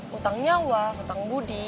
hutang nyawa hutang budi